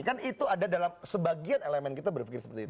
kan itu ada dalam sebagian elemen kita berpikir seperti itu